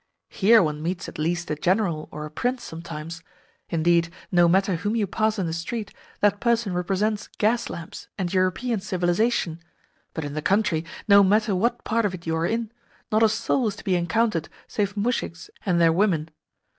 Here one meets at least a general or a prince sometimes; indeed, no matter whom you pass in the street, that person represents gas lamps and European civilisation; but in the country, no matter what part of it you are in, not a soul is to be encountered save muzhiks and their women.